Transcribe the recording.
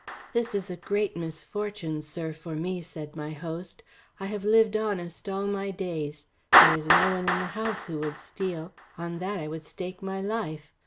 "This is a great misfortune, sir, for me," said my host. "I have lived honest all my days. There is no one in the house who would steal; on that I would stake my life.